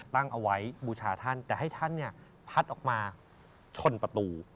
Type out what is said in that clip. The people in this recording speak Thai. ตั้งเอาไว้บูชาท่านแต่ให้ท่านพัดออกมาชนประตู